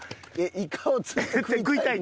「イカを釣って食いたい」。